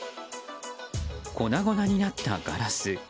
粉々になったガラス。